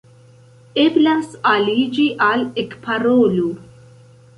Eblas aliĝi al Ekparolu!